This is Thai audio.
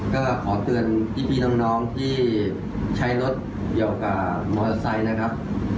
ก็ขอเตือนพี่น้องที่ใช้รถเกี่ยวกับมอเตอร์ไซค์นะครับ